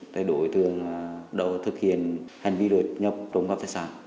thì đối tượng đã thực hiện hành vi lượt nhập trống gặp thái sản